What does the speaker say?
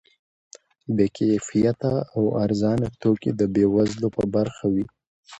بې کیفیته او ارزانه توکي د بې وزلو په برخه وي.